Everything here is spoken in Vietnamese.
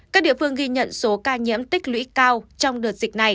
các địa phương ghi nhận số ca nhiễm tích cực